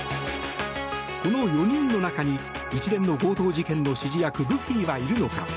この４人の中に一連の強盗事件の指示役ルフィはいるのか。